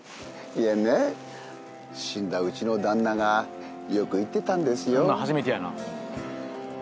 いえね死んだうちの旦那がよく言ってたんですよ。